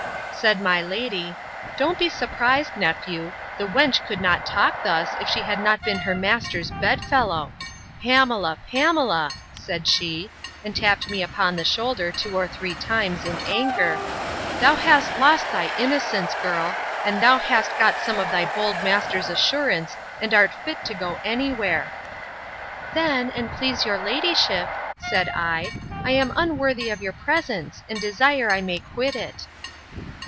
Said my lady, Don't be surprised, nephew; the wench could not talk thus, if she had not been her master's bed fellow.—Pamela, Pamela, said she, and tapped me upon the shoulder two or three times, in anger, thou hast lost thy innocence, girl; and thou hast got some of thy bold master's assurance, and art fit to go any where.—Then, and please your ladyship, said I, I am unworthy of your presence, and desire I may quit it.